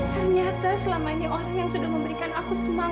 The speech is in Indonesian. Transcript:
ternyata selama ini orang yang sudah memberikan aku semua